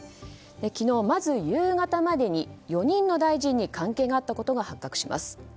昨日まず夕方までに４人の大臣に関係があったことが発覚します。